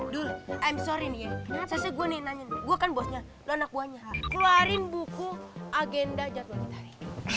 dulu i'm sorry nih gue kan bosnya lo anak buahnya keluarin buku agenda jadwal dari